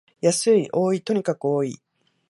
安い、多い、とにかく多い